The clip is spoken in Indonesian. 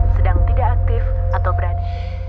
sedang tidak aktif atau berani